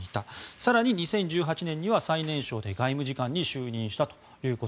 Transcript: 更に、２０１８年には最年少で外務次官に就任したと。